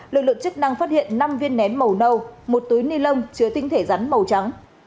lực lượng chức năng phát hiện năm viên nén màu nâu một túi ni lông chứa tinh thể rắn màu trắng